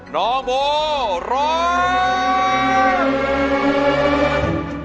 น้องโบร้อง